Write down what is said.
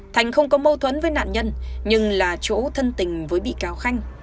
thành không có mâu thuẫn với nạn nhân nhưng là chỗ thân tình với bị cáo khanh